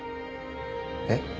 えっ。